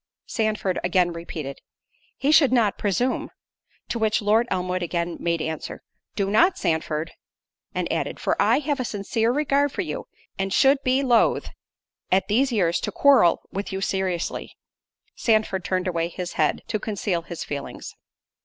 Sandford again repeated, "He should not presume—" To which Lord Elmwood again made answer, "Do not, Sandford;" and added, "for I have a sincere regard for you, and should be loath, at these years, to quarrel with you seriously." Sandford turned away his head to conceal his feelings.